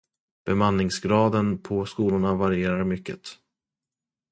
Bemanningsgraden på skolorna varierar mycket.